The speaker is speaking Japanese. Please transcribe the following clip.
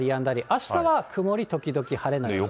あしたは曇り時々晴れなんですが。